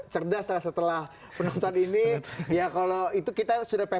berbicara tentang hal hal yang terjadi